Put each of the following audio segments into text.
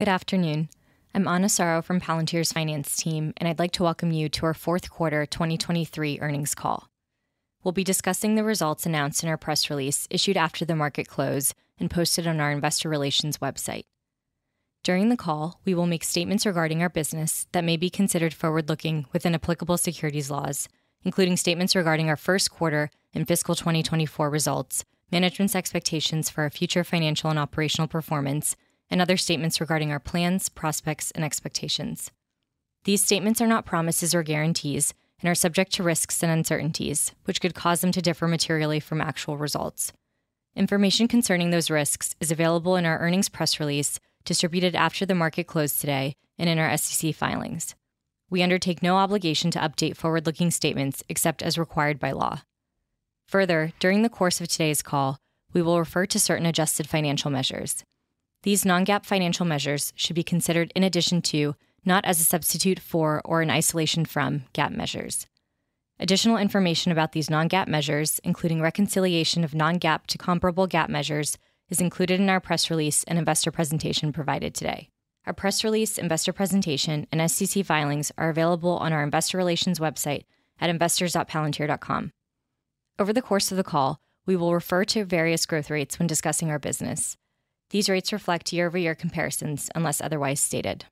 Good afternoon. I'm Ana Soro from Palantir's finance team, and I'd like to welcome you to our fourth quarter 2023 earnings call. We'll be discussing the results announced in our press release, issued after the market close and posted on our investor relations website. During the call, we will make statements regarding our business that may be considered forward-looking within applicable securities laws, including statements regarding our first quarter and fiscal 2024 results, management's expectations for our future financial and operational performance, and other statements regarding our plans, prospects, and expectations. These statements are not promises or guarantees and are subject to risks and uncertainties, which could cause them to differ materially from actual results. Information concerning those risks is available in our earnings press release, distributed after the market closed today, and in our SEC filings. We undertake no obligation to update forward-looking statements except as required by law. Further, during the course of today's call, we will refer to certain adjusted financial measures. These non-GAAP financial measures should be considered in addition to, not as a substitute for, or in isolation from, GAAP measures. Additional information about these non-GAAP measures, including reconciliation of non-GAAP to comparable GAAP measures, is included in our press release and investor presentation provided today. Our press release, investor presentation, and SEC filings are available on our investor relations website at investors.palantir.com. Over the course of the call, we will refer to various growth rates when discussing our business. These rates reflect year-over-year comparisons unless otherwise stated.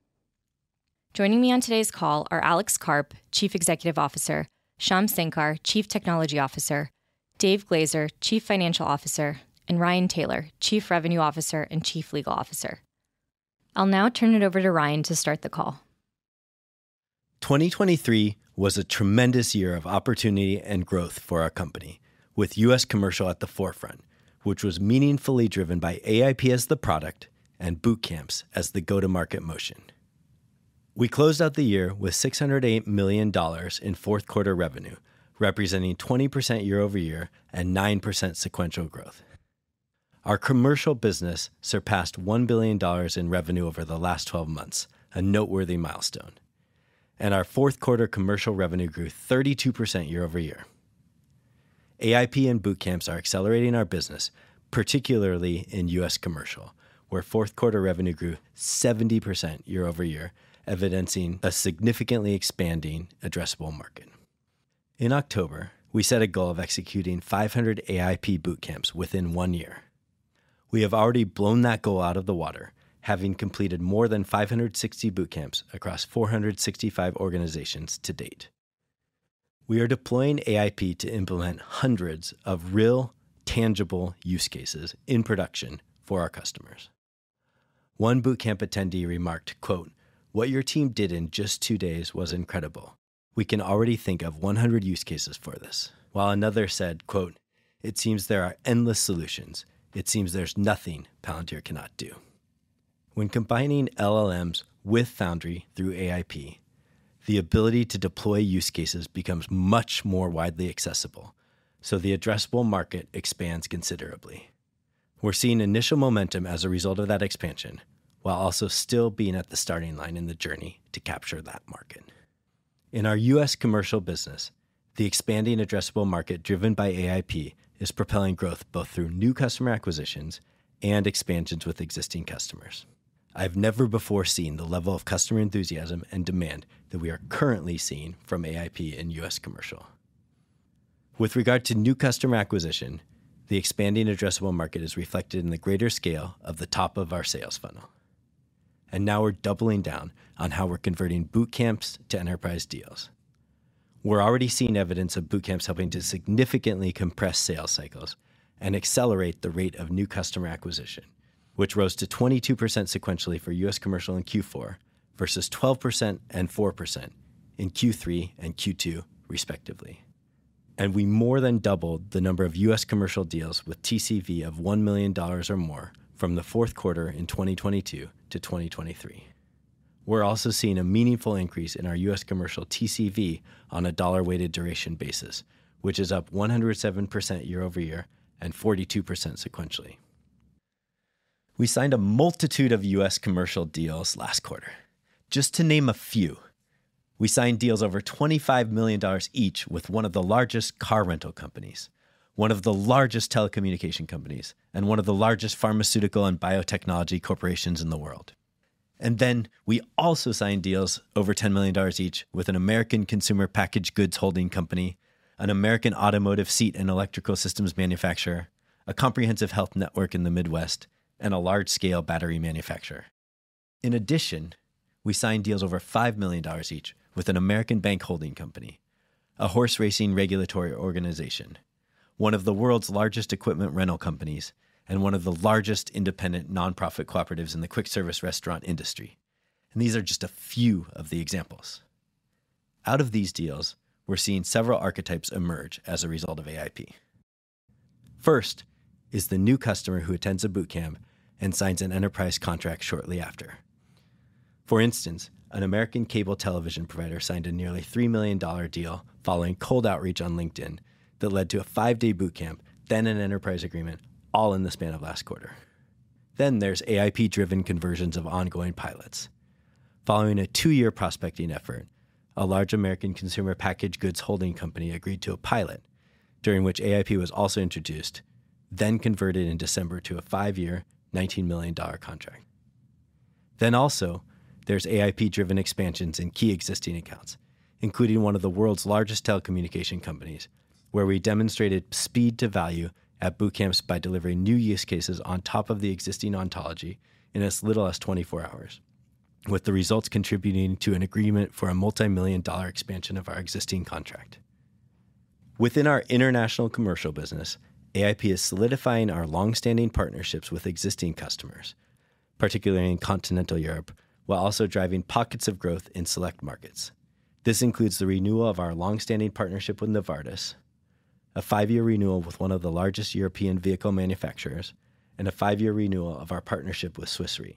Joining me on today's call are Alex Karp, Chief Executive Officer, Shyam Sankar, Chief Technology Officer, Dave Glazer, Chief Financial Officer, and Ryan Taylor, Chief Revenue Officer and Chief Legal Officer. I'll now turn it over to Ryan to start the call. 2023 was a tremendous year of opportunity and growth for our company, with U.S. commercial at the forefront, which was meaningfully driven by AIP as the product and boot camps as the go-to-market motion. We closed out the year with $608 million in fourth quarter revenue, representing 20% year-over-year and 9% sequential growth. Our commercial business surpassed $1 billion in revenue over the last 12 months, a noteworthy milestone, and our fourth quarter commercial revenue grew 32% year-over-year. AIP and Bootcamps are accelerating our business, particularly in U.S. commercial, where fourth quarter revenue grew 70% year-over-year, evidencing a significantly expanding addressable market. In October, we set a goal of executing 500 AIP Bootcamps within one year. We have already blown that goal out of the water, having completed more than 560 boot camps across 465 organizations to date. We are deploying AIP to implement hundreds of real, tangible use cases in production for our customers. One boot camp attendee remarked, quote, "What your team did in just 2 days was incredible. We can already think of 100 use cases for this," while another said, quote, "It seems there are endless solutions. It seems there's nothing Palantir cannot do." When combining LLMs with Foundry through AIP, the ability to deploy use cases becomes much more widely accessible, so the addressable market expands considerably. We're seeing initial momentum as a result of that expansion, while also still being at the starting line in the journey to capture that market. In our U.S. commercial business, the expanding addressable market, driven by AIP, is propelling growth both through new customer acquisitions and expansions with existing customers. I've never before seen the level of customer enthusiasm and demand that we are currently seeing from AIP in U.S. commercial. With regard to new customer acquisition, the expanding addressable market is reflected in the greater scale of the top of our sales funnel, and now we're doubling down on how we're converting boot camps to enterprise deals. We're already seeing evidence of boot camps helping to significantly compress sales cycles and accelerate the rate of new customer acquisition, which rose to 22% sequentially for U.S. commercial in Q4 versus 12% and 4% in Q3 and Q2 respectively. We more than doubled the number of U.S. commercial deals with TCV of $1 million or more from the fourth quarter in 2022 to 2023. We're also seeing a meaningful increase in our U.S. commercial TCV on a dollar-weighted duration basis, which is up 107% year-over-year and 42% sequentially. We signed a multitude of U.S. commercial deals last quarter. Just to name a few, we signed deals over $25 million each with one of the largest car rental companies, one of the largest telecommunication companies, and one of the largest pharmaceutical and biotechnology corporations in the world. And then we also signed deals over $10 million each with an American consumer packaged goods holding company, an American automotive seat and electrical systems manufacturer, a comprehensive health network in the Midwest, and a large-scale battery manufacturer. In addition, we signed deals over $5 million each with an American bank holding company, a horse racing regulatory organization, one of the world's largest equipment rental companies, and one of the largest independent nonprofit cooperatives in the quick-service restaurant industry. These are just a few of the examples. Out of these deals, we're seeing several archetypes emerge as a result of AIP. First is the new customer who attends a boot camp and signs an enterprise contract shortly after. For instance, an American cable television provider signed a nearly $3 million deal following cold outreach on LinkedIn that led to a 5-day boot camp, then an enterprise agreement, all in the span of last quarter. Then there's AIP-driven conversions of ongoing pilots.... Following a 2-year prospecting effort, a large American consumer packaged goods holding company agreed to a pilot, during which AIP was also introduced, then converted in December to a 5-year, $19 million contract. Also, there's AIP-driven expansions in key existing accounts, including one of the world's largest telecommunication companies, where we demonstrated speed to value at boot camps by delivering new use cases on top of the existing ontology in as little as 24 hours, with the results contributing to an agreement for a multimillion-dollar expansion of our existing contract. Within our international commercial business, AIP is solidifying our long-standing partnerships with existing customers, particularly in Continental Europe, while also driving pockets of growth in select markets. This includes the renewal of our long-standing partnership with Novartis, a 5-year renewal with one of the largest European vehicle manufacturers, and a 5-year renewal of our partnership with Swiss Re.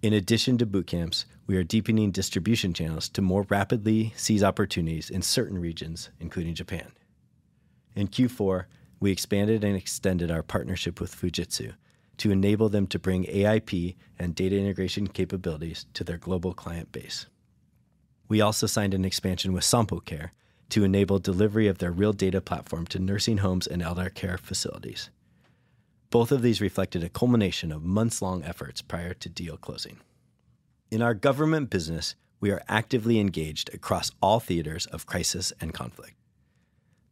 In addition to boot camps, we are deepening distribution channels to more rapidly seize opportunities in certain regions, including Japan. In Q4, we expanded and extended our partnership with Fujitsu to enable them to bring AIP and data integration capabilities to their global client base. We also signed an expansion with Sompo Care to enable delivery of their Real Data Platform to nursing homes and elder care facilities. Both of these reflected a culmination of months-long efforts prior to deal closing. In our government business, we are actively engaged across all theaters of crisis and conflict.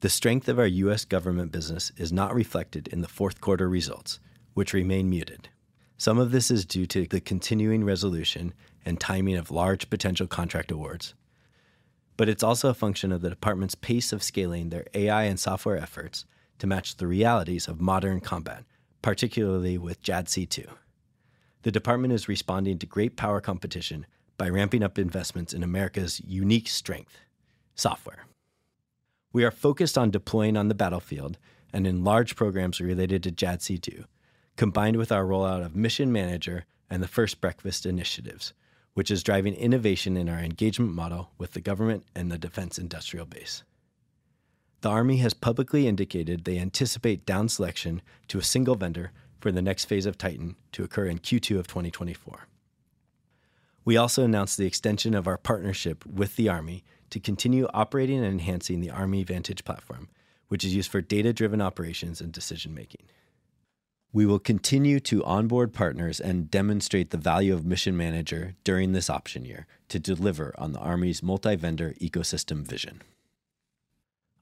The strength of our U.S. Government business is not reflected in the fourth quarter results, which remain muted. Some of this is due to the continuing resolution and timing of large potential contract awards, but it's also a function of the department's pace of scaling their AI and software efforts to match the realities of modern combat, particularly with JADC2. The department is responding to great power competition by ramping up investments in America's unique strength: software. We are focused on deploying on the battlefield and in large programs related to JADC2, combined with our rollout of Mission Manager and the First Breakfast initiatives, which is driving innovation in our engagement model with the government and the defense industrial base. The Army has publicly indicated they anticipate down selection to a single vendor for the next phase of TITAN to occur in Q2 of 2024. We also announced the extension of our partnership with the Army to continue operating and enhancing the Army Vantage platform, which is used for data-driven operations and decision-making. We will continue to onboard partners and demonstrate the value of Mission Manager during this option year to deliver on the Army's multi-vendor ecosystem vision.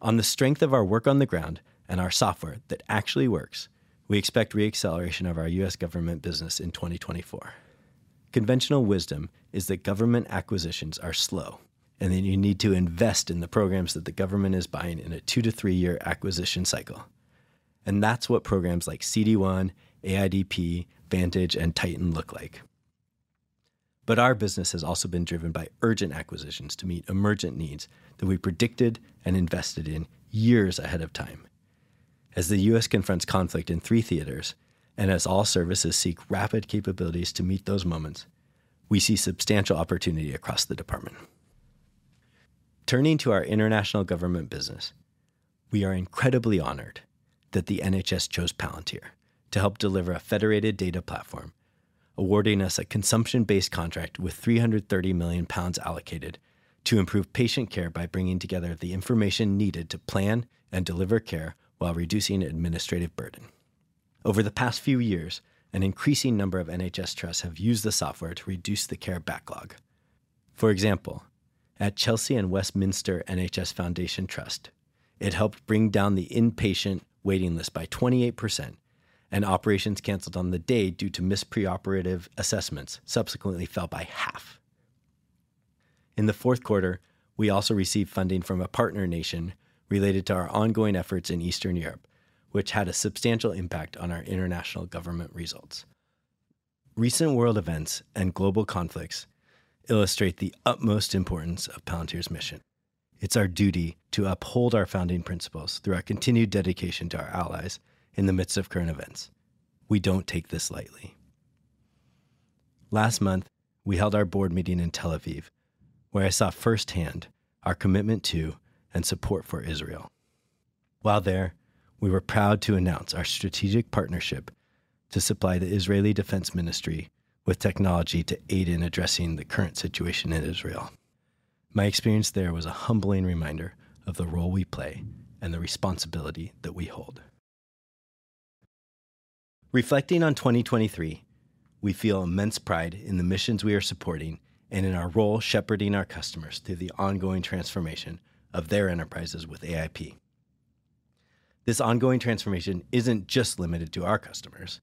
On the strength of our work on the ground and our software that actually works, we expect re-acceleration of our U.S. Government business in 2024. Conventional wisdom is that government acquisitions are slow, and that you need to invest in the programs that the government is buying in a 2-3-year acquisition cycle. That's what programs like CD-1, AIDP, Vantage, and TITAN look like. But our business has also been driven by urgent acquisitions to meet emergent needs that we predicted and invested in years ahead of time. As the U.S. confronts conflict in three theaters, and as all services seek rapid capabilities to meet those moments, we see substantial opportunity across the department. Turning to our international government business, we are incredibly honored that the NHS chose Palantir to help deliver a federated data platform, awarding us a consumption-based contract with 330 million pounds allocated to improve patient care by bringing together the information needed to plan and deliver care while reducing administrative burden. Over the past few years, an increasing number of NHS trusts have used the software to reduce the care backlog. For example, at Chelsea and Westminster Hospital NHS Foundation Trust, it helped bring down the inpatient waiting list by 28%, and operations canceled on the day due to missed preoperative assessments subsequently fell by half. In the fourth quarter, we also received funding from a partner nation related to our ongoing efforts in Eastern Europe, which had a substantial impact on our international government results. Recent world events and global conflicts illustrate the utmost importance of Palantir's mission. It's our duty to uphold our founding principles through our continued dedication to our allies in the midst of current events. We don't take this lightly. Last month, we held our board meeting in Tel Aviv, where I saw firsthand our commitment to and support for Israel. While there, we were proud to announce our strategic partnership to supply the Israeli Ministry of Defense with technology to aid in addressing the current situation in Israel. My experience there was a humbling reminder of the role we play and the responsibility that we hold. Reflecting on 2023, we feel immense pride in the missions we are supporting and in our role shepherding our customers through the ongoing transformation of their enterprises with AIP. This ongoing transformation isn't just limited to our customers.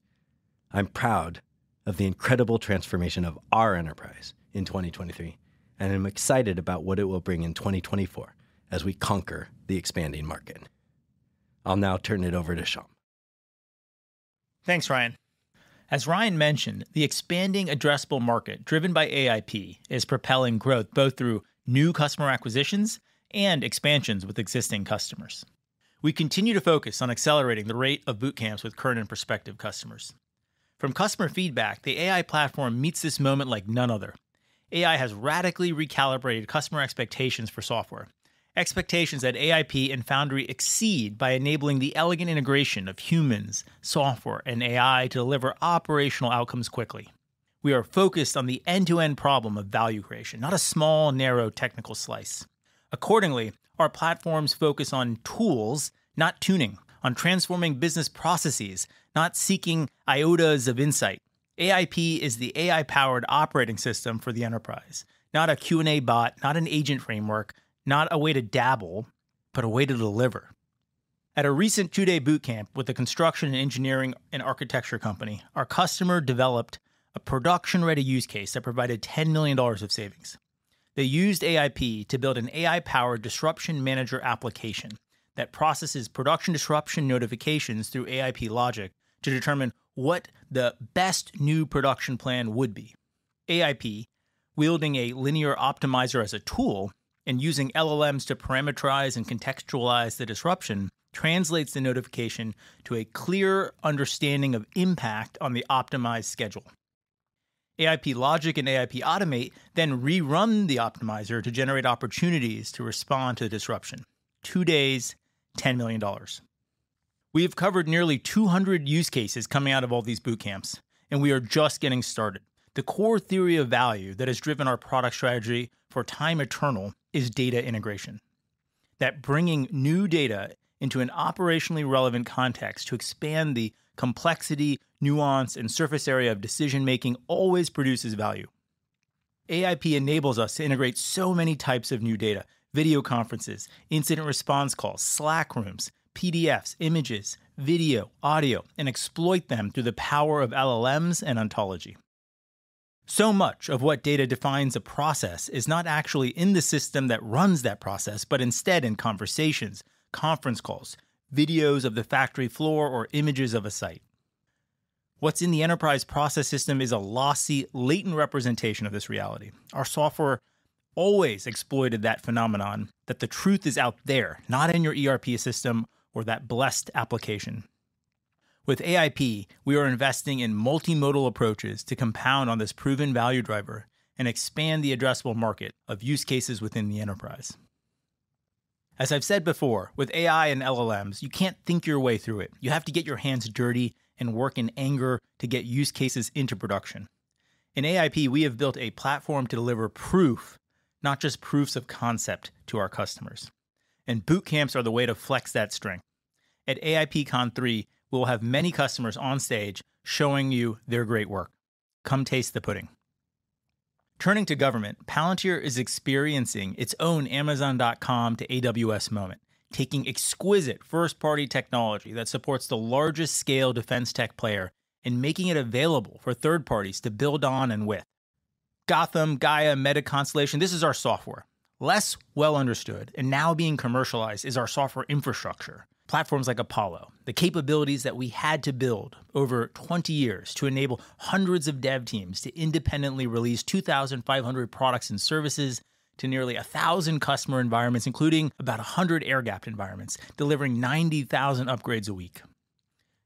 I'm proud of the incredible transformation of our enterprise in 2023, and I'm excited about what it will bring in 2024 as we conquer the expanding market. I'll now turn it over to Shyam. Thanks, Ryan. As Ryan mentioned, the expanding addressable market driven by AIP is propelling growth both through new customer acquisitions and expansions with existing customers. We continue to focus on accelerating the rate of boot camps with current and prospective customers. From customer feedback, the AI platform meets this moment like none other. AI has radically recalibrated customer expectations for software. Expectations at AIP and Foundry exceed by enabling the elegant integration of humans, software, and AI to deliver operational outcomes quickly. We are focused on the end-to-end problem of value creation, not a small, narrow technical slice. Accordingly, our platforms focus on tools, not tuning, on transforming business processes, not seeking iotas of insight. AIP is the AI-powered operating system for the enterprise, not a Q&A bot, not an agent framework, not a way to dabble, but a way to deliver. At a recent two-day boot camp with a construction, engineering, and architecture company, our customer developed a production-ready use case that provided $10 million of savings. They used AIP to build an AI-powered disruption manager application that processes production disruption notifications through AIP Logic to determine what the best new production plan would be. AIP, wielding a linear optimizer as a tool and using LLMs to parameterize and contextualize the disruption, translates the notification to a clear understanding of impact on the optimized schedule. AIP Logic and AIP Automate then rerun the optimizer to generate opportunities to respond to the disruption. Two days, $10 million. We have covered nearly 200 use cases coming out of all these boot camps, and we are just getting started. The core theory of value that has driven our product strategy for time eternal is data integration. That bringing new data into an operationally relevant context to expand the complexity, nuance, and surface area of decision-making always produces value. AIP enables us to integrate so many types of new data, video conferences, incident response calls, Slack rooms, PDFs, images, video, audio, and exploit them through the power of LLMs and ontology. So much of what data defines a process is not actually in the system that runs that process, but instead in conversations, conference calls, videos of the factory floor, or images of a site. What's in the enterprise process system is a lossy, latent representation of this reality. Our software always exploited that phenomenon, that the truth is out there, not in your ERP system or that blessed application. With AIP, we are investing in multimodal approaches to compound on this proven value driver and expand the addressable market of use cases within the enterprise. As I've said before, with AI and LLMs, you can't think your way through it. You have to get your hands dirty and work in anger to get use cases into production. In AIP, we have built a platform to deliver proof, not just proofs of concept, to our customers, and boot camps are the way to flex that strength. At AIPCon 3, we will have many customers on stage showing you their great work. Come taste the pudding. Turning to government, Palantir is experiencing its own Amazon.com to AWS moment, taking exquisite first-party technology that supports the largest scale defense tech player and making it available for third parties to build on and with. Gotham, Gaia, MetaConstellation, this is our software. Less well understood and now being commercialized is our software infrastructure, platforms like Apollo, the capabilities that we had to build over 20 years to enable hundreds of dev teams to independently release 2,500 products and services to nearly 1,000 customer environments, including about 100 air-gapped environments, delivering 90,000 upgrades a week.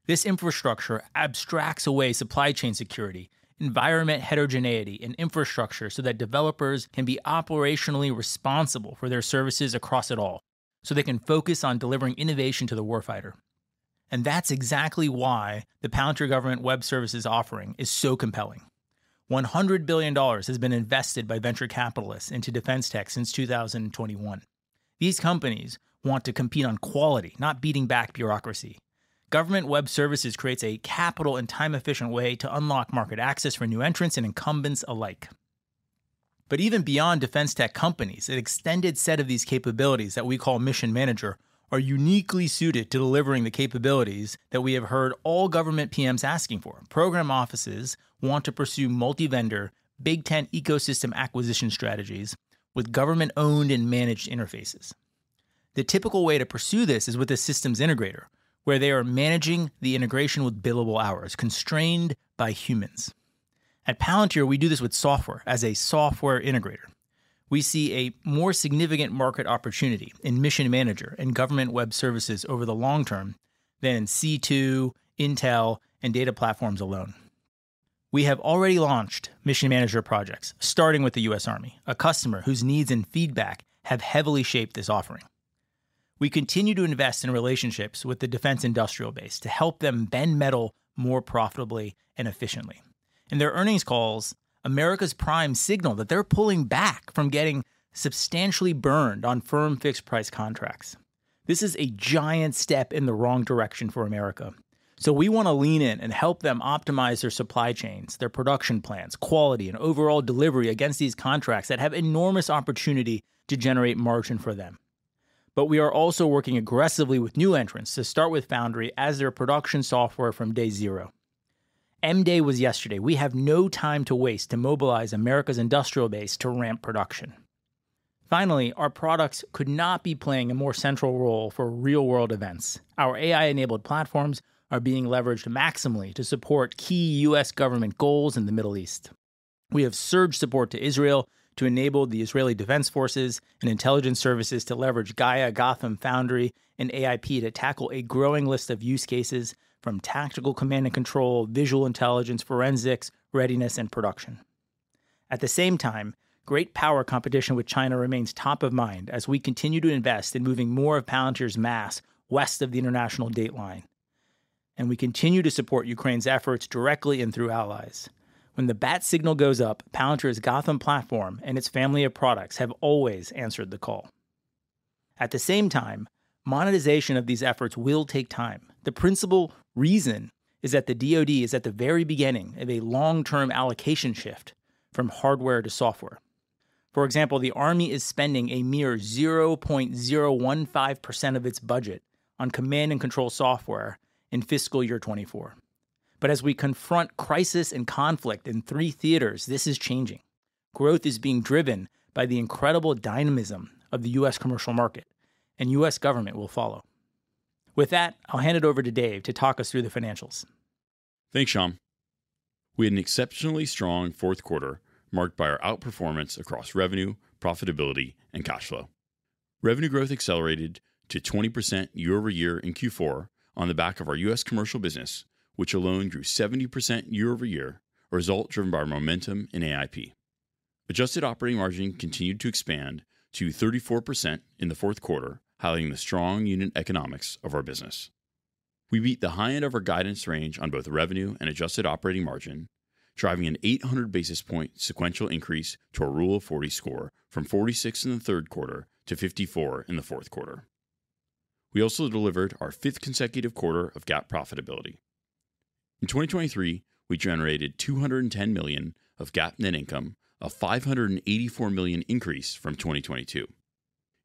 This infrastructure abstracts away supply chain security, environment heterogeneity, and infrastructure so that developers can be operationally responsible for their services across it all, so they can focus on delivering innovation to the warfighter. And that's exactly why the Palantir Government Web Services offering is so compelling. $100 billion has been invested by venture capitalists into defense tech since 2021. These companies want to compete on quality, not beating back bureaucracy. Government Web Services creates a capital and time-efficient way to unlock market access for new entrants and incumbents alike. But even beyond defense tech companies, an extended set of these capabilities that we call Mission Manager are uniquely suited to delivering the capabilities that we have heard all government PMs asking for. Program offices want to pursue multi-vendor, big tent ecosystem acquisition strategies with government-owned and managed interfaces. The typical way to pursue this is with a systems integrator, where they are managing the integration with billable hours constrained by humans. At Palantir, we do this with software as a software integrator. We see a more significant market opportunity in Mission Manager and Government Web Services over the long term than C2, Intel, and data platforms alone. We have already launched Mission Manager projects, starting with the U.S. Army, a customer whose needs and feedback have heavily shaped this offering. We continue to invest in relationships with the defense industrial base to help them bend metal more profitably and efficiently. In their earnings calls, America's primes signal that they're pulling back from getting substantially burned on firm fixed price contracts. This is a giant step in the wrong direction for America, so we want to lean in and help them optimize their supply chains, their production plans, quality, and overall delivery against these contracts that have enormous opportunity to generate margin for them. But we are also working aggressively with new entrants to start with Foundry as their production software from day zero. M-Day was yesterday. We have no time to waste to mobilize America's industrial base to ramp production. Finally, our products could not be playing a more central role for real-world events. Our AI-enabled platforms are being leveraged maximally to support key U.S. Government goals in the Middle East. We have surged support to Israel to enable the Israeli Defense Forces and intelligence services to leverage Gaia, Gotham, Foundry, and AIP to tackle a growing list of use cases from tactical command and control, visual intelligence, forensics, readiness, and production... At the same time, great power competition with China remains top of mind as we continue to invest in moving more of Palantir's mass west of the International Date Line, and we continue to support Ukraine's efforts directly and through allies. When the bat signal goes up, Palantir's Gotham platform and its family of products have always answered the call. At the same time, monetization of these efforts will take time. The principal reason is that the DoD is at the very beginning of a long-term allocation shift from hardware to software. For example, the army is spending a mere 0.015% of its budget on command and control software in fiscal year 2024. But as we confront crisis and conflict in three theaters, this is changing. Growth is being driven by the incredible dynamism of the U.S. commercial market, and U.S. Government will follow. With that, I'll hand it over to Dave to talk us through the financials. Thanks, Shyam. We had an exceptionally strong fourth quarter, marked by our outperformance across revenue, profitability, and cash flow. Revenue growth accelerated to 20% year-over-year in Q4 on the back of our U.S. commercial business, which alone grew 70% year-over-year, a result driven by our momentum in AIP. Adjusted operating margin continued to expand to 34% in the fourth quarter, highlighting the strong unit economics of our business. We beat the high end of our guidance range on both revenue and adjusted operating margin, driving an 800 basis point sequential increase to a Rule of 40 score from 46 in the third quarter to 54 in the fourth quarter. We also delivered our fifth consecutive quarter of GAAP profitability. In 2023, we generated $210 million of GAAP net income, a $584 million increase from 2022.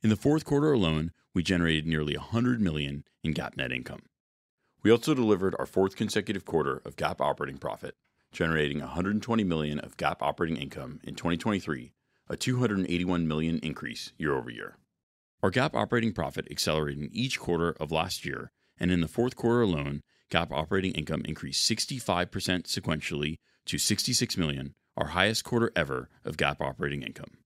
In the fourth quarter alone, we generated nearly $100 million in GAAP net income. We also delivered our fourth consecutive quarter of GAAP operating profit, generating $120 million of GAAP operating income in 2023, a $281 million increase year-over-year. Our GAAP operating profit accelerated in each quarter of last year, and in the fourth quarter alone, GAAP operating income increased 65% sequentially to $66 million, our highest quarter ever of GAAP operating income.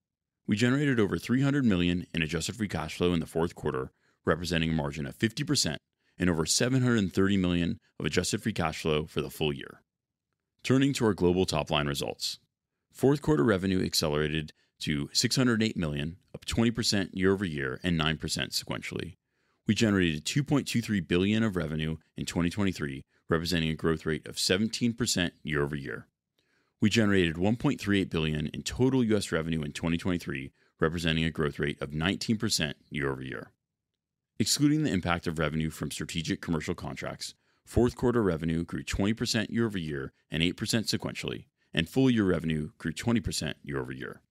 We generated over $300 million in adjusted free cash flow in the fourth quarter, representing a margin of 50% and over $730 million of adjusted free cash flow for the full year. Turning to our global top-line results. Fourth quarter revenue accelerated to $608 million, up 20% year-over-year and 9% sequentially. We generated $2.23 billion of revenue in 2023, representing a growth rate of 17% year-over-year. We generated $1.38 billion in total U.S. revenue in 2023, representing a growth rate of 19% year-over-year. Excluding the impact of revenue from strategic commercial contracts, fourth quarter revenue grew 20% year-over-year and 8% sequentially, and full year revenue grew 20% year-over-year.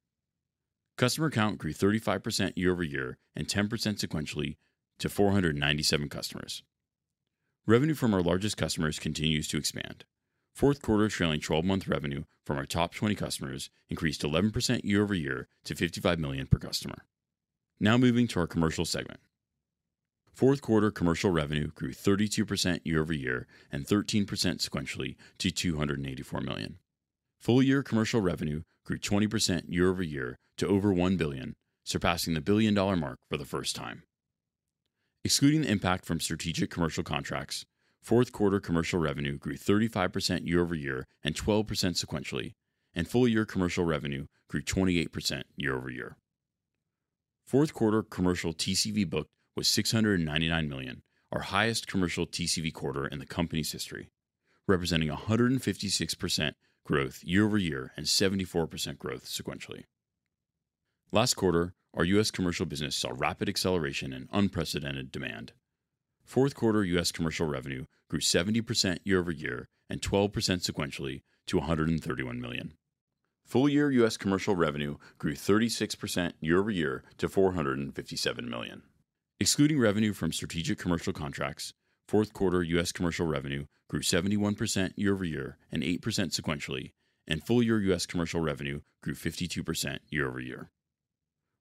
Customer count grew 35% year-over-year and 10% sequentially to 497 customers. Revenue from our largest customers continues to expand. Fourth quarter trailing twelve-month revenue from our top 20 customers increased 11% year-over-year to $55 million per customer. Now moving to our commercial segment. Fourth quarter commercial revenue grew 32% year-over-year and 13% sequentially to $284 million. Full year commercial revenue grew 20% year-over-year to over $1 billion, surpassing the billion-dollar mark for the first time. Excluding the impact from strategic commercial contracts, fourth quarter commercial revenue grew 35% year-over-year and 12% sequentially, and full year commercial revenue grew 28% year-over-year. Fourth quarter commercial TCV booked was $699 million, our highest commercial TCV quarter in the company's history, representing a 156% growth year-over-year and 74% growth sequentially. Last quarter, our U.S. commercial business saw rapid acceleration and unprecedented demand. Fourth quarter US commercial revenue grew 70% year-over-year and 12% sequentially to $131 million. Full year US commercial revenue grew 36% year-over-year to $457 million. Excluding revenue from strategic commercial contracts, fourth quarter US commercial revenue grew 71% year-over-year and 8% sequentially, and full year US commercial revenue grew 52% year-over-year.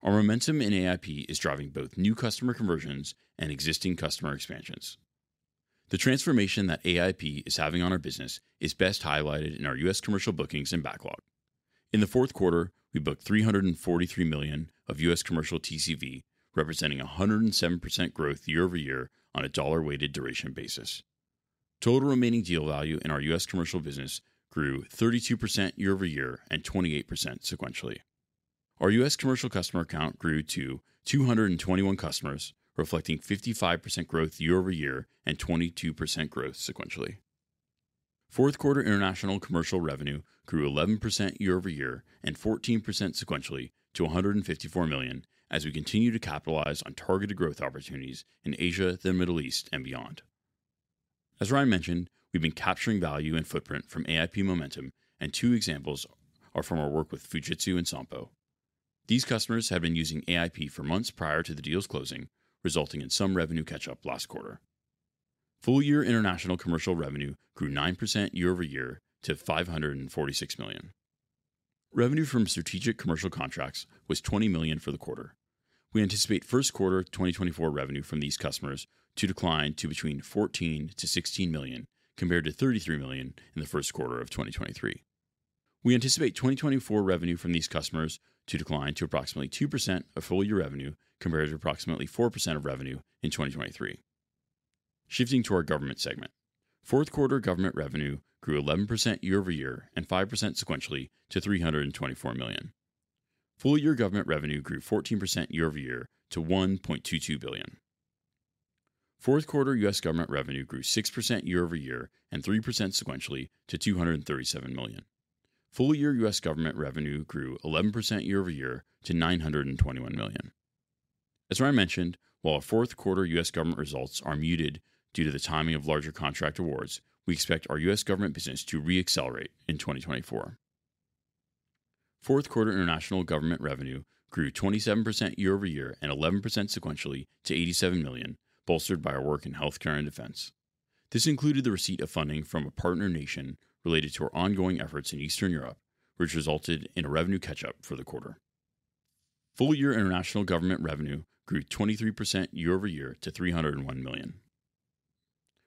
Our momentum in AIP is driving both new customer conversions and existing customer expansions. The transformation that AIP is having on our business is best highlighted in our US commercial bookings and backlog. In the fourth quarter, we booked $343 million of US commercial TCV, representing 107% growth year-over-year on a dollar-weighted duration basis. Total remaining deal value in our US commercial business grew 32% year over year and 28% sequentially. Our US commercial customer count grew to 221 customers, reflecting 55% growth year over year and 22% growth sequentially. Fourth quarter international commercial revenue grew 11% year over year and 14% sequentially to $154 million as we continue to capitalize on targeted growth opportunities in Asia, the Middle East, and beyond. As Ryan mentioned, we've been capturing value and footprint from AIP momentum, and two examples are from our work with Fujitsu and Sompo. These customers have been using AIP for months prior to the deals closing, resulting in some revenue catch-up last quarter. Full year international commercial revenue grew 9% year over year to $546 million. Revenue from strategic commercial contracts was $20 million for the quarter. We anticipate first quarter 2024 revenue from these customers to decline to between $14 million-$16 million, compared to $33 million in the first quarter of 2023. We anticipate 2024 revenue from these customers to decline to approximately 2% of full year revenue, compared to approximately 4% of revenue in 2023. Shifting to our government segment. Fourth quarter government revenue grew 11% year-over-year and 5% sequentially to $324 million. Full year government revenue grew 14% year-over-year to $1.22 billion. Fourth quarter U.S. Government revenue grew 6% year-over-year and 3% sequentially to $237 million. Full year U.S. Government revenue grew 11% year-over-year to $921 million. As Ryan mentioned, while our fourth quarter U.S. Government results are muted due to the timing of larger contract awards, we expect our U.S. Government business to re-accelerate in 2024. Fourth quarter international government revenue grew 27% year over year and 11% sequentially to $87 million, bolstered by our work in healthcare and defense. This included the receipt of funding from a partner nation related to our ongoing efforts in Eastern Europe, which resulted in a revenue catch-up for the quarter. Full year international government revenue grew 23% year over year to $301 million.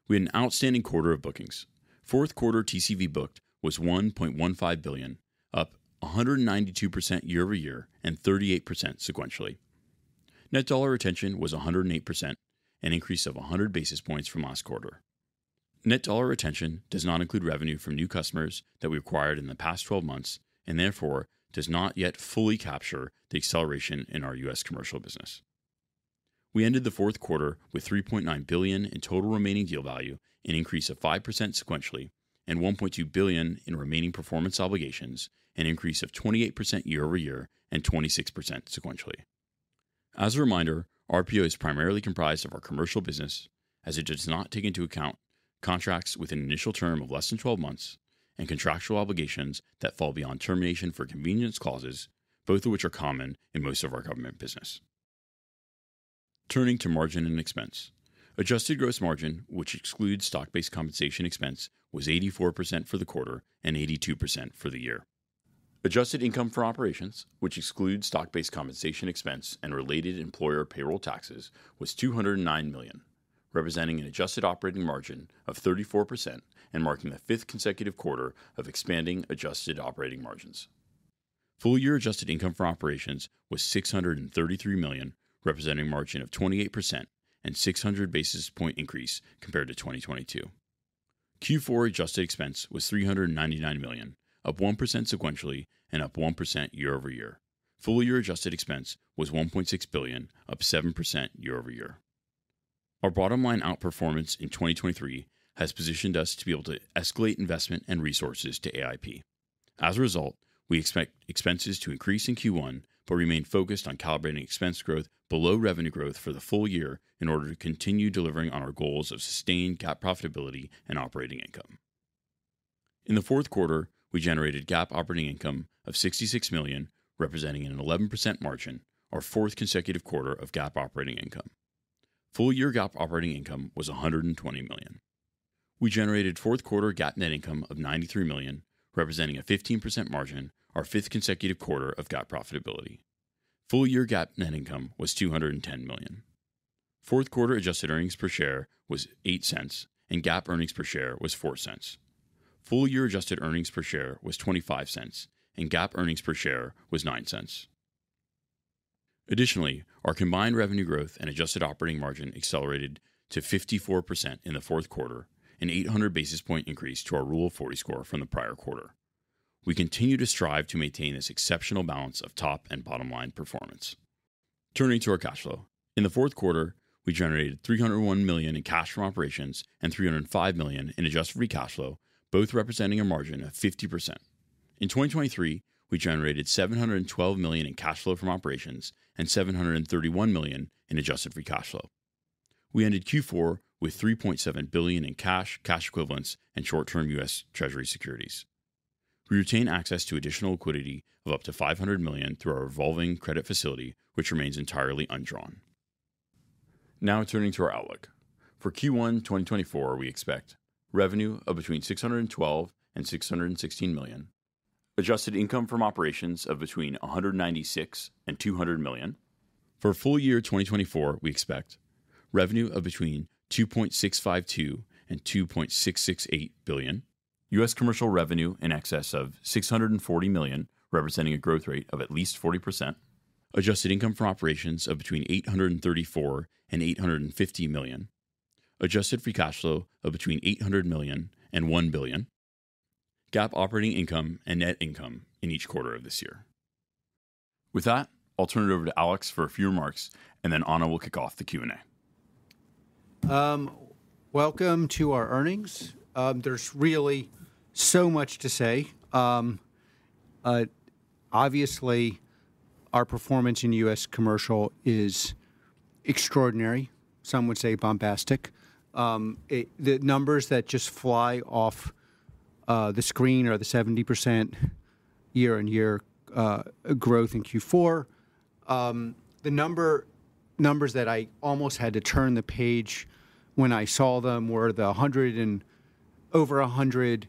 We had an outstanding quarter of bookings. Fourth quarter TCV booked was $1.15 billion, up 192% year over year and 38% sequentially. Net dollar retention was 108%, an increase of 100 basis points from last quarter. Net dollar retention does not include revenue from new customers that we acquired in the past 12 months, and therefore, does not yet fully capture the acceleration in our U.S. commercial business. We ended the fourth quarter with $3.9 billion in total remaining deal value, an increase of 5% sequentially, and $1.2 billion in remaining performance obligations, an increase of 28% year-over-year and 26% sequentially. As a reminder, RPO is primarily comprised of our commercial business as it does not take into account contracts with an initial term of less than 12 months and contractual obligations that fall beyond termination for convenience clauses, both of which are common in most of our government business. Turning to margin and expense. Adjusted gross margin, which excludes stock-based compensation expense, was 84% for the quarter and 82% for the year. Adjusted income for operations, which excludes stock-based compensation expense and related employer payroll taxes, was $209 million, representing an adjusted operating margin of 34% and marking the 5th consecutive quarter of expanding adjusted operating margins. Full year adjusted income for operations was $633 million, representing a margin of 28% and 600 basis point increase compared to 2022. Q4 adjusted expense was $399 million, up 1% sequentially and up 1% year-over-year. Full year adjusted expense was $1.6 billion, up 7% year-over-year. Our bottom line outperformance in 2023 has positioned us to be able to escalate investment and resources to AIP. As a result, we expect expenses to increase in Q1, but remain focused on calibrating expense growth below revenue growth for the full year in order to continue delivering on our goals of sustained GAAP profitability and operating income. In the fourth quarter, we generated GAAP operating income of $66 million, representing an 11% margin, our fourth consecutive quarter of GAAP operating income. Full year GAAP operating income was $120 million. We generated fourth quarter GAAP net income of $93 million, representing a 15% margin, our fifth consecutive quarter of GAAP profitability. Full year GAAP net income was $210 million. Fourth quarter adjusted earnings per share was $0.08, and GAAP earnings per share was $0.04. Full year adjusted earnings per share was $0.25, and GAAP earnings per share was $0.09. Additionally, our combined revenue growth and adjusted operating margin accelerated to 54% in the fourth quarter, an 800 basis point increase to our Rule of 40 score from the prior quarter. We continue to strive to maintain this exceptional balance of top and bottom line performance. Turning to our cash flow. In the fourth quarter, we generated $301 million in cash from operations and $305 million in adjusted free cash flow, both representing a margin of 50%. In 2023, we generated $712 million in cash flow from operations and $731 million in adjusted free cash flow. We ended Q4 with $3.7 billion in cash, cash equivalents, and short-term U.S. Treasury securities. We retain access to additional liquidity of up to $500 million through our revolving credit facility, which remains entirely undrawn. Now turning to our outlook. For Q1, 2024, we expect revenue of between $612 million and $616 million, adjusted income from operations of between $196 million and $200 million. For full year 2024, we expect revenue of between $2.652 billion and $2.668 billion, US commercial revenue in excess of $640 million, representing a growth rate of at least 40%, adjusted income for operations of between $834 million and $850 million, adjusted free cash flow of between $800 million and $1 billion, GAAP operating income and net income in each quarter of this year. With that, I'll turn it over to Alex for a few remarks, and then Anna will kick off the Q&A. Welcome to our earnings. There's really so much to say. Obviously, our performance in US commercial is extraordinary, some would say bombastic. It, the numbers that just fly off the screen are the 70% year-on-year growth in Q4. The numbers that I almost had to turn the page when I saw them were the 100 and over 100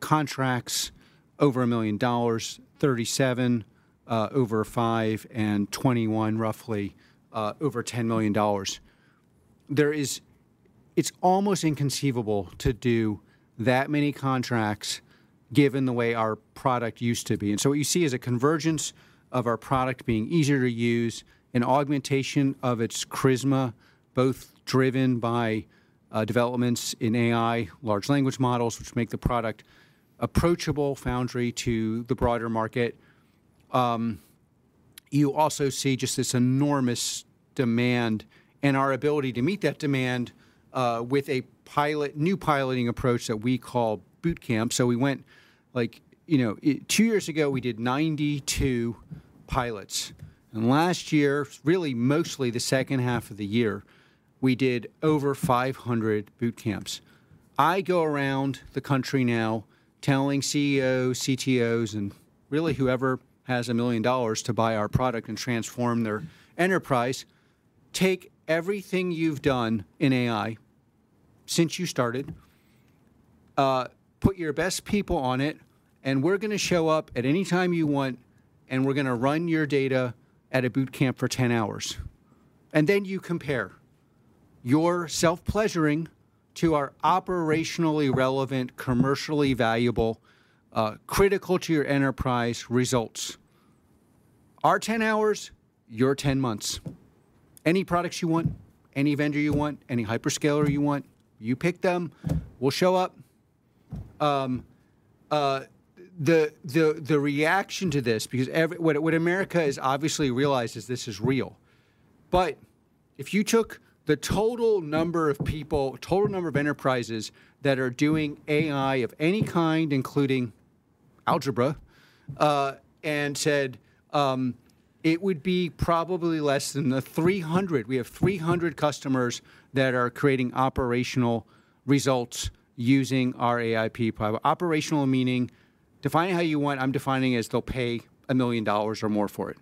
contracts over $1 million, 37 over $5 million, and 21, roughly, over $10 million. It's almost inconceivable to do that many contracts, given the way our product used to be. And so what you see is a convergence of our product being easier to use, an augmentation of its charisma, both driven by developments in AI, large language models, which make the product approachable Foundry to the broader market. You also see just this enormous demand and our ability to meet that demand with a new piloting approach that we call boot camp. So we went, like, you know, two years ago, we did 92 pilots, and last year, really mostly the second half of the year, we did over 500 boot camps. I go around the country now telling CEOs, CTOs, and really whoever has $1 million to buy our product and transform their enterprise: "Take everything you've done in AI since you started, put your best people on it, and we're gonna show up at any time you want, and we're gonna run your data at a boot camp for 10 hours. And then you compare your self-pleasuring to our operationally relevant, commercially valuable, critical to your enterprise results. Our 10 hours, your 10 months. Any products you want, any vendor you want, any hyperscaler you want, you pick them, we'll show up. The reaction to this, because what America has obviously realized is this is real. But if you took the total number of people, total number of enterprises that are doing AI of any kind, including algebra, and said, it would be probably less than 300. We have 300 customers that are creating operational results using our AIP product. Operational meaning, define it how you want, I'm defining it as they'll pay $1 million or more for it.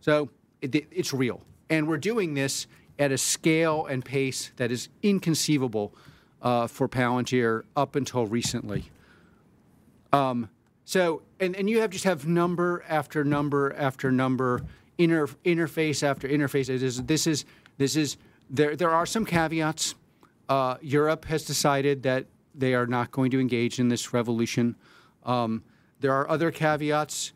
So it, it's real, and we're doing this at a scale and pace that is inconceivable for Palantir up until recently. And you just have number after number after number, interface after interface. There are some caveats. Europe has decided that they are not going to engage in this revolution. There are other caveats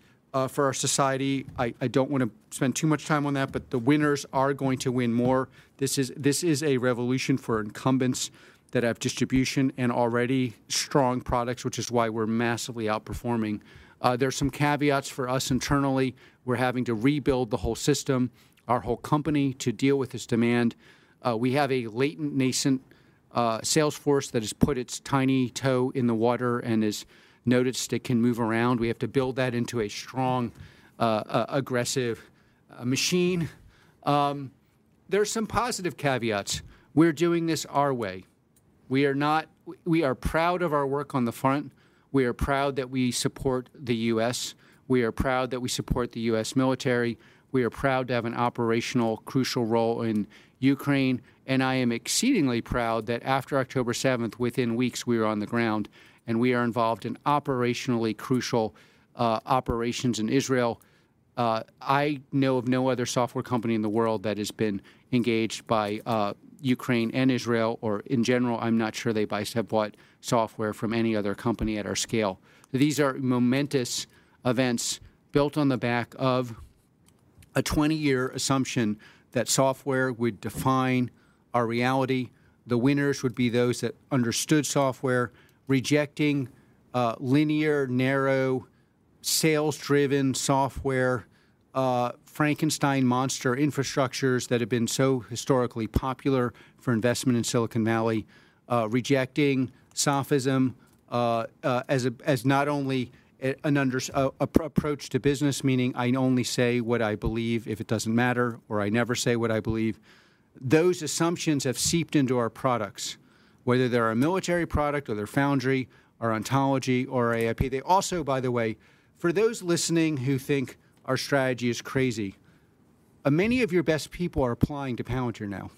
for our society. I don't wanna spend too much time on that, but the winners are going to win more. This is a revolution for incumbents that have distribution and already strong products, which is why we're massively outperforming. There are some caveats for us internally. We're having to rebuild the whole system, our whole company, to deal with this demand. We have a latent, nascent sales force that has put its tiny toe in the water and has noticed it can move around. We have to build that into a strong, aggressive machine. There are some positive caveats. We're doing this our way. We are proud of our work on the front. We are proud that we support the U.S. We are proud that we support the U.S. military. We are proud to have an operational, crucial role in Ukraine, and I am exceedingly proud that after October 7th, within weeks, we were on the ground, and we are involved in operationally crucial operations in Israel. I know of no other software company in the world that has been engaged by Ukraine and Israel, or in general, I'm not sure they have bought software from any other company at our scale. These are momentous events built on the back of a 20-year assumption that software would define our reality. The winners would be those that understood software, rejecting linear, narrow, sales-driven software Frankenstein monster infrastructures that have been so historically popular for investment in Silicon Valley, rejecting sophism as not only an approach to business, meaning I only say what I believe if it doesn't matter, or I never say what I believe. Those assumptions have seeped into our products, whether they're a military product or they're Foundry or Ontology or AIP. They also, by the way, for those listening who think our strategy is crazy, many of your best people are applying to Palantir now.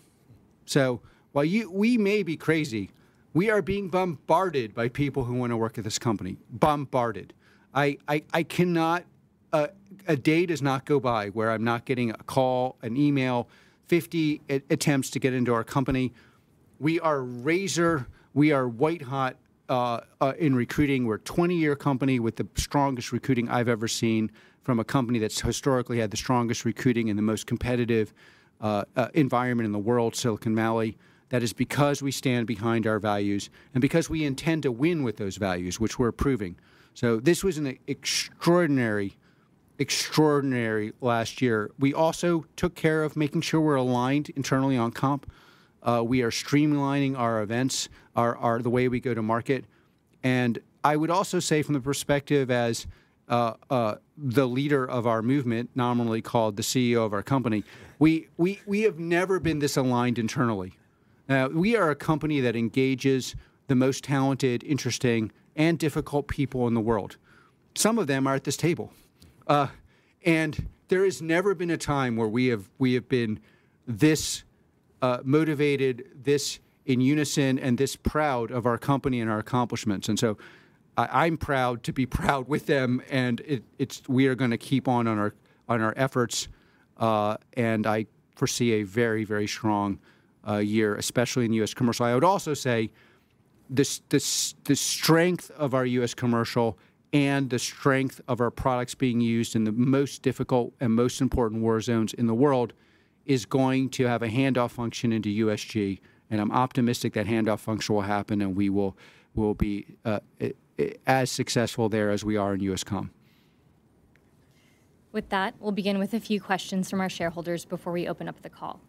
So while we may be crazy, we are being bombarded by people who want to work at this company. Bombarded. I cannot... A day does not go by where I'm not getting a call, an email, 50 attempts to get into our company. We are razor, we are white hot in recruiting. We're a 20-year company with the strongest recruiting I've ever seen from a company that's historically had the strongest recruiting and the most competitive environment in the world, Silicon Valley. That is because we stand behind our values and because we intend to win with those values, which we're proving. So this was an extraordinary, extraordinary last year. We also took care of making sure we're aligned internally on comp. We are streamlining our events, our, our, the way we go to market. And I would also say from the perspective as the leader of our movement, nominally called the CEO of our company, we have never been this aligned internally. We are a company that engages the most talented, interesting, and difficult people in the world. Some of them are at this table. And there has never been a time where we have been this motivated, this in unison, and this proud of our company and our accomplishments. I'm proud to be proud with them, and it's we are gonna keep on our efforts, and I foresee a very, very strong year, especially in US Commercial. I would also say this, the strength of our US Commercial and the strength of our products being used in the most difficult and most important war zones in the world, is going to have a handoff function into USG, and I'm optimistic that handoff function will happen, and we will be as successful there as we are in US Com. With that, we'll begin with a few questions from our shareholders before we open up the call.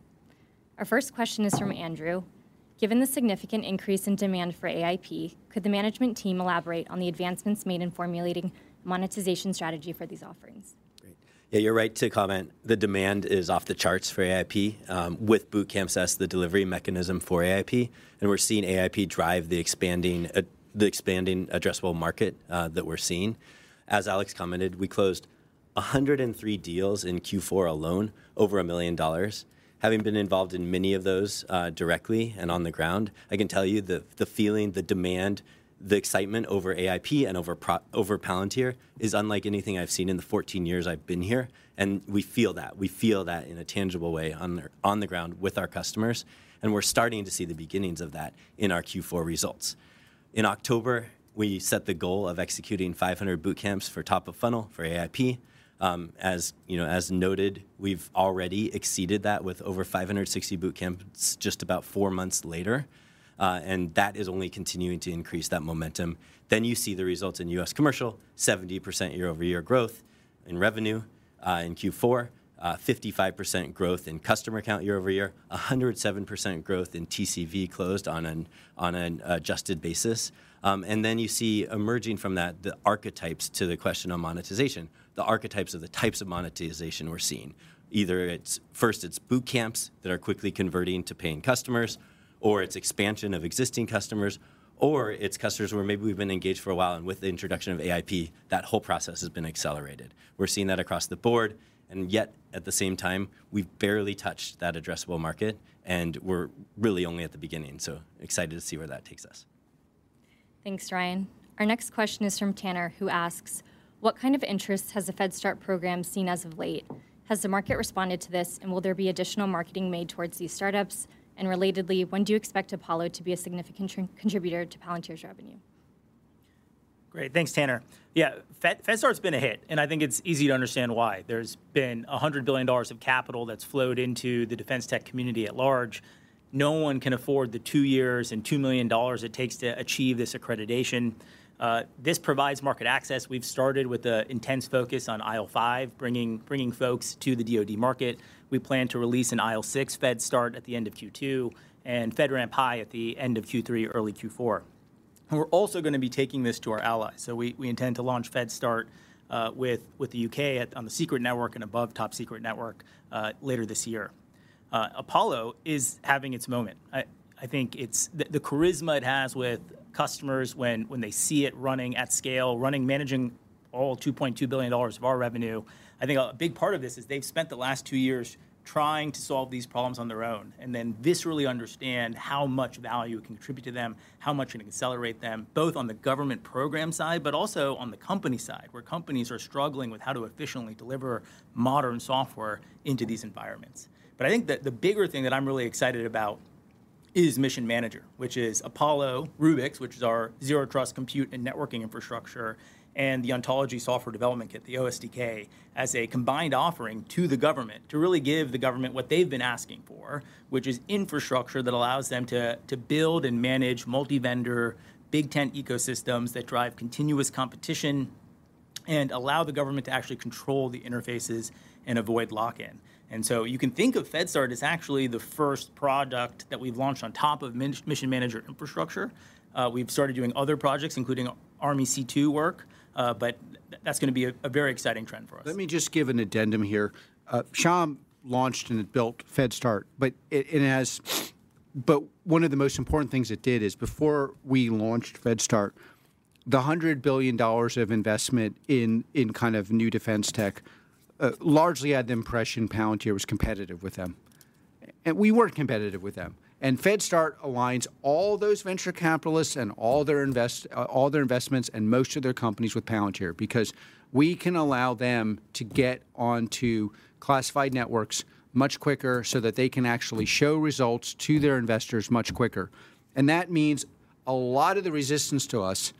Our first question is from Andrew: Given the significant increase in demand for AIP, could the management team elaborate on the advancements made in formulating monetization strategy for these offerings? Great. Yeah, you're right to comment. The demand is off the charts for AIP, with boot camps as the delivery mechanism for AIP, and we're seeing AIP drive the expanding addressable market that we're seeing. As Alex commented, we closed 103 deals in Q4 alone, over $1 million. Having been involved in many of those, directly and on the ground, I can tell you that the feeling, the demand, the excitement over AIP and over Palantir is unlike anything I've seen in the 14 years I've been here, and we feel that. We feel that in a tangible way on the ground with our customers, and we're starting to see the beginnings of that in our Q4 results. In October, we set the goal of executing 500 boot camps for top of funnel for AIP. As you know, as noted, we've already exceeded that with over 560 boot camps just about 4 months later, and that is only continuing to increase that momentum. Then you see the results in U.S. commercial, 70% year-over-year growth in revenue in Q4, 55% growth in customer count year-over-year, 107% growth in TCV closed on an adjusted basis. And then you see emerging from that, the archetypes to the question on monetization, the archetypes of the types of monetization we're seeing. Either it's first, it's boot camps that are quickly converting to paying customers, or it's expansion of existing customers, or it's customers where maybe we've been engaged for a while, and with the introduction of AIP, that whole process has been accelerated. We're seeing that across the board, and yet, at the same time, we've barely touched that addressable market, and we're really only at the beginning. So excited to see where that takes us. Thanks, Ryan. Our next question is from Tanner, who asks: What kind of interest has the FedStart program seen as of late? Has the market responded to this, and will there be additional marketing made towards these startups, and relatedly, when do you expect Apollo to be a significant contributor to Palantir's revenue? Great. Thanks, Tanner. Yeah, FedStart's been a hit, and I think it's easy to understand why. There's been $100 billion of capital that's flowed into the defense tech community at large. No one can afford the 2 years and $2 million it takes to achieve this accreditation. This provides market access. We've started with an intense focus on IL5, bringing folks to the DoD market. We plan to release an IL6 FedStart at the end of Q2 and FedRAMP High at the end of Q3 or early Q4. And we're also gonna be taking this to our allies. So we intend to launch FedStart with the UK on the secret network and above top secret network later this year. Apollo is having its moment. I think it's... The charisma it has with customers when they see it running at scale, managing all $2.2 billion of our revenue, I think a big part of this is they've spent the last two years trying to solve these problems on their own, and then viscerally understand how much value it can contribute to them, how much it can accelerate them, both on the government program side, but also on the company side, where companies are struggling with how to efficiently deliver modern software into these environments. But I think that the bigger thing that I'm really excited about is Mission Manager, which is Apollo Rubix, which is our zero trust, compute, and networking infrastructure, and the Ontology Software Development Kit, the OSDK, as a combined offering to the government to really give the government what they've been asking for, which is infrastructure that allows them to build and manage multi-vendor, big tent ecosystems that drive continuous competition and allow the government to actually control the interfaces and avoid lock-in. And so you can think of FedStart as actually the first product that we've launched on top of Mission Manager infrastructure. We've started doing other projects, including Army C2 work, but that's gonna be a very exciting trend for us. Let me just give an addendum here. Shyam launched and built FedStart, but one of the most important things it did is before we launched FedStart, the $100 billion of investment in kind of new defense tech largely had the impression Palantir was competitive with them, and we weren't competitive with them. And FedStart aligns all those venture capitalists and all their investments and most of their companies with Palantir because we can allow them to get onto classified networks much quicker so that they can actually show results to their investors much quicker. And that means a lot of the resistance to us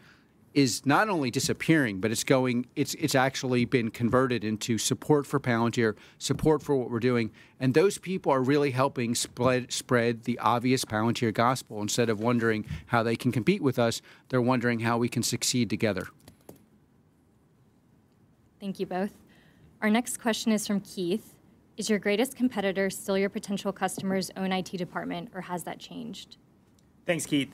is not only disappearing, but it's actually been converted into support for Palantir, support for what we're doing, and those people are really helping spread the obvious Palantir gospel. Instead of wondering how they can compete with us, they're wondering how we can succeed together. Thank you both. Our next question is from Keith: Is your greatest competitor still your potential customer's own IT department, or has that changed? Thanks, Keith.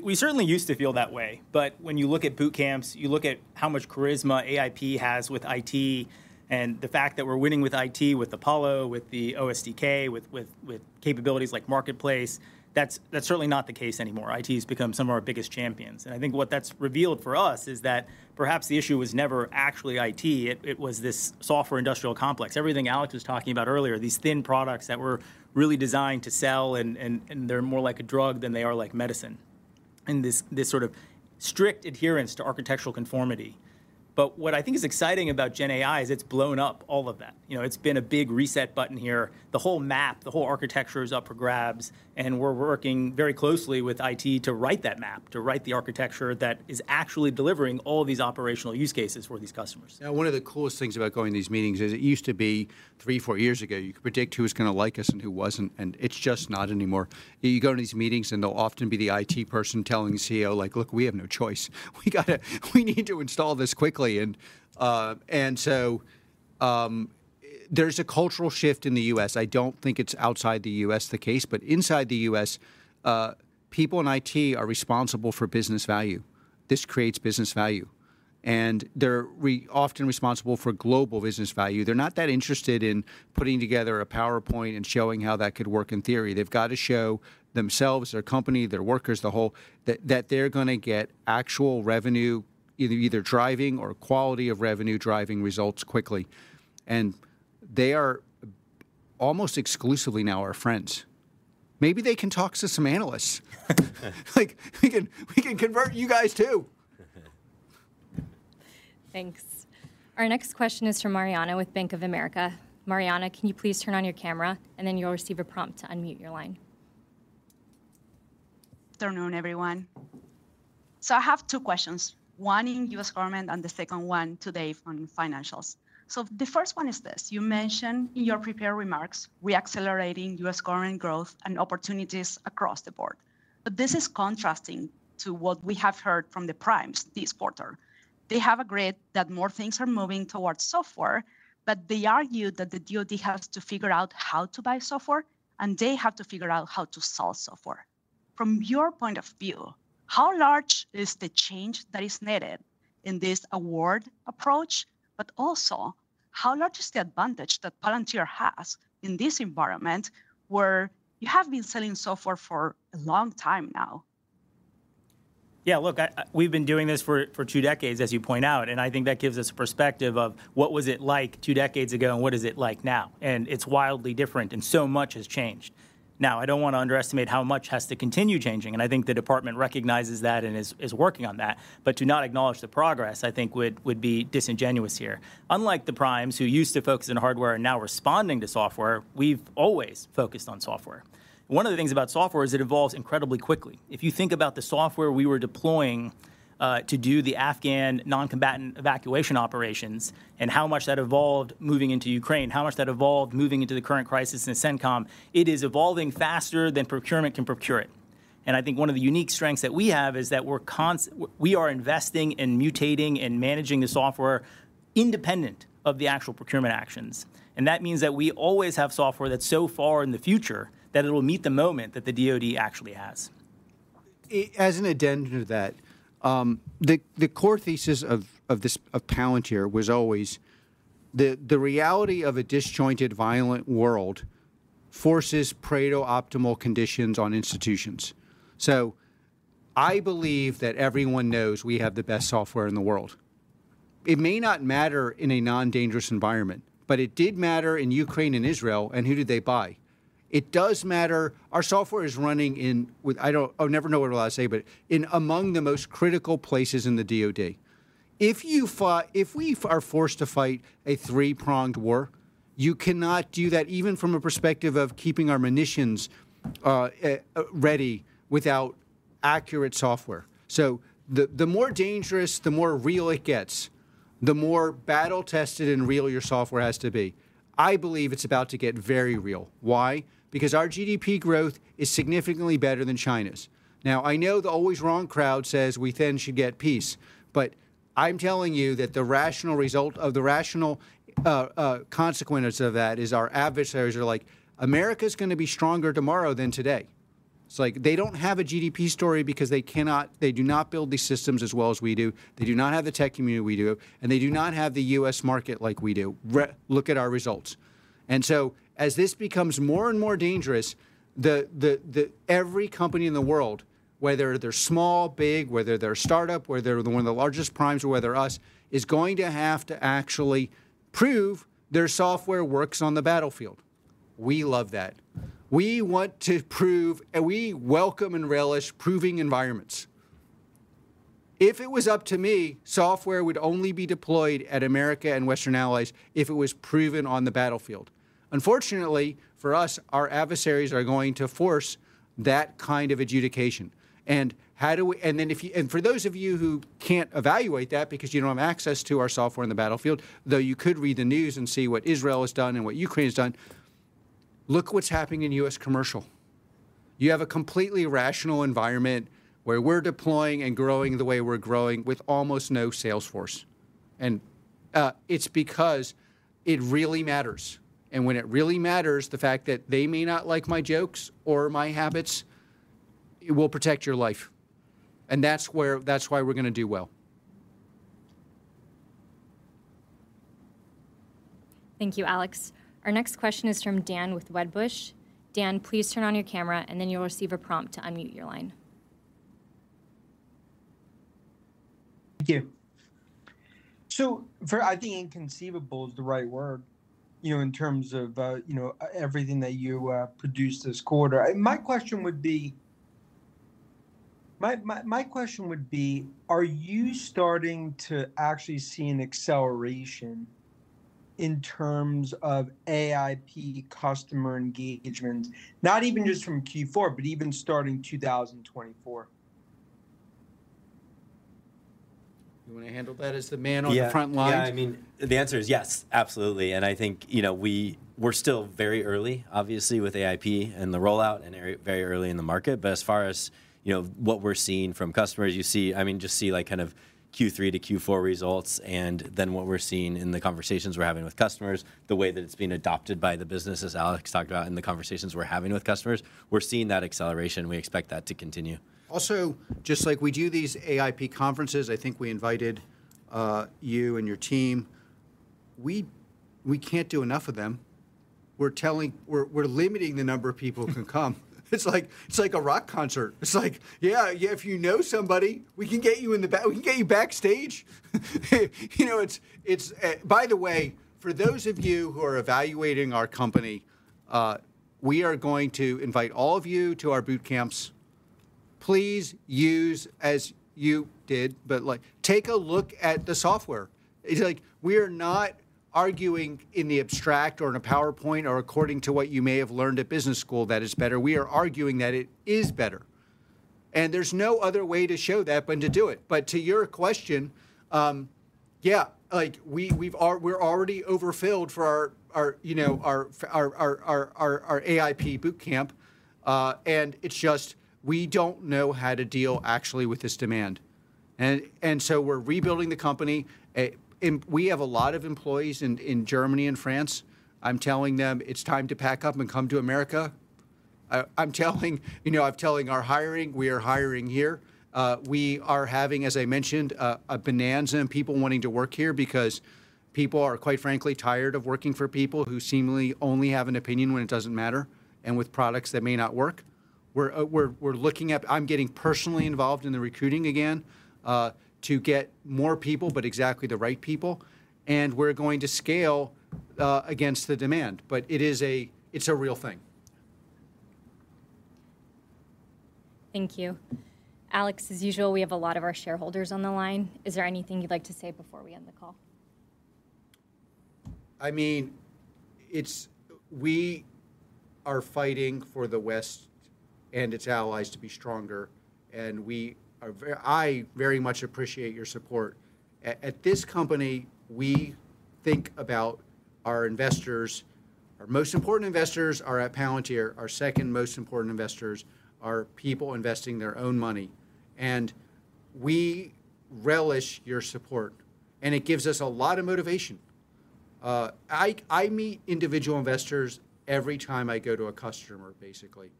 We certainly used to feel that way, but when you look at boot camps, you look at how much charisma AIP has with IT, and the fact that we're winning with IT, with Apollo, with the OSDK, with capabilities like Marketplace, that's certainly not the case anymore. IT has become some of our biggest champions. And I think what that's revealed for us is that perhaps the issue was never actually IT. It was this software industrial complex. Everything Alex was talking about earlier, these thin products that were really designed to sell, and they're more like a drug than they are like medicine... and this sort of strict adherence to architectural conformity. But what I think is exciting about GenAI is it's blown up all of that. You know, it's been a big reset button here. The whole map, the whole architecture is up for grabs, and we're working very closely with IT to write that map, to write the architecture that is actually delivering all these operational use cases for these customers. Now, one of the coolest things about going to these meetings is it used to be 3, 4 years ago, you could predict who was gonna like us and who wasn't, and it's just not anymore. You go to these meetings, and they'll often be the IT person telling the CEO, like: "Look, we have no choice. We gotta—we need to install this quickly." And so, there's a cultural shift in the U.S. I don't think it's outside the U.S. the case, but inside the U.S., people in IT are responsible for business value. This creates business value, and they're often responsible for global business value. They're not that interested in putting together a PowerPoint and showing how that could work in theory. They've got to show themselves, their company, their workers, the whole... That they're gonna get actual revenue, either driving or quality of revenue-driving results quickly. And they are almost exclusively now our friends. Maybe they can talk to some analysts. Like, we can convert you guys, too! Thanks. Our next question is from Mariana with Bank of America. Mariana, can you please turn on your camera, and then you'll receive a prompt to unmute your line. Good afternoon, everyone. So I have two questions, one in U.S. Government and the second one today on financials. So the first one is this: You mentioned in your prepared remarks, reaccelerating U.S. Government growth and opportunities across the board. But this is contrasting to what we have heard from the primes this quarter. They have agreed that more things are moving towards software, but they argue that the DoD has to figure out how to buy software, and they have to figure out how to sell software. From your point of view, how large is the change that is needed in this award approach? But also, how large is the advantage that Palantir has in this environment, where you have been selling software for a long time now? Yeah, look, I, we've been doing this for two decades, as you point out, and I think that gives us a perspective of what was it like two decades ago and what is it like now, and it's wildly different, and so much has changed. Now, I don't want to underestimate how much has to continue changing, and I think the department recognizes that and is working on that. But to not acknowledge the progress, I think would be disingenuous here. Unlike the primes, who used to focus on hardware and now responding to software, we've always focused on software. One of the things about software is it evolves incredibly quickly. If you think about the software we were deploying to do the Afghan non-combatant evacuation operations and how much that evolved moving into Ukraine, how much that evolved moving into the current crisis in CENTCOM, it is evolving faster than procurement can procure it. And I think one of the unique strengths that we have is that we are investing in mutating and managing the software independent of the actual procurement actions. And that means that we always have software that's so far in the future that it'll meet the moment that the DoD actually has. As an addendum to that, the core thesis of this of Palantir was always the reality of a disjointed, violent world forces Pareto optimal conditions on institutions. So I believe that everyone knows we have the best software in the world. It may not matter in a non-dangerous environment, but it did matter in Ukraine and Israel, and who did they buy? It does matter. Our software is running in with, I don't, I'll never know what we're allowed to say, but in among the most critical places in the DoD. If we are forced to fight a three-pronged war, you cannot do that, even from a perspective of keeping our munitions ready, without accurate software. So the more dangerous, the more real it gets, the more battle-tested and real your software has to be. I believe it's about to get very real. Why? Because our GDP growth is significantly better than China's. Now, I know the always wrong crowd says we then should get peace, but I'm telling you that the rational result of the rational consequence of that is our adversaries are like: "America's gonna be stronger tomorrow than today." It's like they don't have a GDP story because they cannot-- they do not build these systems as well as we do, they do not have the tech community we do, and they do not have the U.S. Market like we do. Really look at our results. And so, as this becomes more and more dangerous, every company in the world, whether they're small, big, whether they're a startup, whether they're one of the largest primes, or whether us, is going to have to actually prove their software works on the battlefield. We love that. We want to prove, and we welcome and relish proving environments. If it was up to me, software would only be deployed at America and Western allies if it was proven on the battlefield. Unfortunately, for us, our adversaries are going to force that kind of adjudication. And then, for those of you who can't evaluate that because you don't have access to our software in the battlefield, though you could read the news and see what Israel has done and what Ukraine has done, look what's happening in U.S. Commercial. You have a completely rational environment where we're deploying and growing the way we're growing with almost no sales force, and it's because it really matters. And when it really matters, the fact that they may not like my jokes or my habits, it will protect your life, and that's where, that's why we're gonna do well. Thank you, Alex. Our next question is from Dan with Wedbush. Dan, please turn on your camera, and then you'll receive a prompt to unmute your line.... Thank you. So for, I think inconceivable is the right word, you know, in terms of, you know, everything that you produced this quarter. My question would be: are you starting to actually see an acceleration in terms of AIP customer engagement? Not even just from Q4, but even starting 2024. You wanna handle that as the man on the front line? Yeah. Yeah, I mean, the answer is yes, absolutely. And I think, you know, we're still very early, obviously, with AIP and the rollout, and very, very early in the market. But as far as, you know, what we're seeing from customers, you see—I mean, just see, like, kind of Q3 to Q4 results, and then what we're seeing in the conversations we're having with customers, the way that it's being adopted by the business, as Alex talked about, and the conversations we're having with customers, we're seeing that acceleration. We expect that to continue. </transcript Also, just like we do these AIP conferences, I think we invited you and your team. We can't do enough of them. We're limiting the number of people who can come. It's like, it's like a rock concert. It's like: "Yeah, yeah, if you know somebody, we can get you in the back, we can get you backstage!" You know, it's, it's... By the way, for those of you who are evaluating our company, we are going to invite all of you to our boot camps. Please use as you did, but, like, take a look at the software. It's like, we are not arguing in the abstract or in a PowerPoint or according to what you may have learned at business school that it's better. We are arguing that it is better, and there's no other way to show that than to do it. But to your question, yeah, like, we're already overfilled for our, you know, our AIP Bootcamp. And it's just we don't know how to deal actually with this demand. And so we're rebuilding the company. And we have a lot of employees in Germany and France. I'm telling them, "It's time to pack up and come to America." I'm telling, you know, I'm telling our hiring, we are hiring here. We are having, as I mentioned, a bonanza in people wanting to work here because people are, quite frankly, tired of working for people who seemingly only have an opinion when it doesn't matter and with products that may not work. We're looking at. I'm getting personally involved in the recruiting again to get more people, but exactly the right people, and we're going to scale against the demand. But it is. It's a real thing. Thank you. Alex, as usual, we have a lot of our shareholders on the line. Is there anything you'd like to say before we end the call? I mean, we are fighting for the West and its allies to be stronger, and I very much appreciate your support. At this company, we think about our investors. Our most important investors are at Palantir. Our second most important investors are people investing their own money, and we relish your support, and it gives us a lot of motivation. I meet individual investors every time I go to a customer, basically.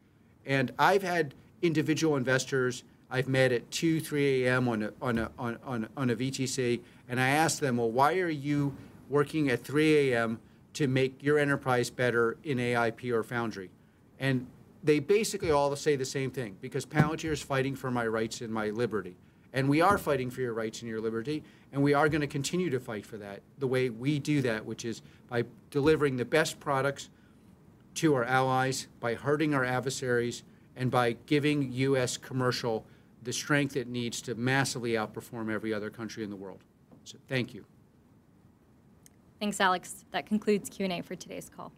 I've had individual investors I've met at 2, 3 a.m. on a VTC, and I ask them: "Well, why are you working at 3 a.m. to make your enterprise better in AIP or Foundry?" They basically all say the same thing: "Because Palantir is fighting for my rights and my liberty." We are fighting for your rights and your liberty, and we are gonna continue to fight for that, the way we do that, which is by delivering the best products to our allies, by hurting our adversaries, and by giving US commercial the strength it needs to massively outperform every other country in the world. Thank you. Thanks, Alex. That concludes Q&A for today's call.